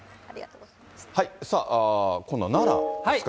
さあ、今度は奈良ですか。